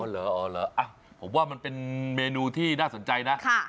เหรออ๋อเหรอผมว่ามันเป็นเมนูที่น่าสนใจนะ